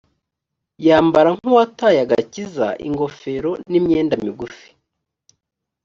yambara nk’uwataye agakiza ingofero n’imyenda migufi